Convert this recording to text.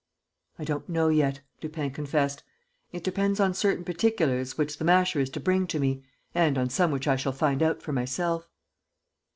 "I don't know yet," Lupin confessed. "It depends on certain particulars which the Masher is to bring me and on some which I shall find out for myself."